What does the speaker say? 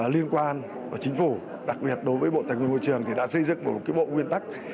liên quan chính phủ đặc biệt đối với bộ tài nguyên môi trường thì đã xây dựng một bộ nguyên tắc